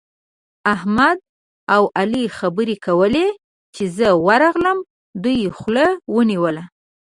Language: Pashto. احمد او علي خبرې کولې؛ چې زه ورغلم، دوی خوله ونيوله.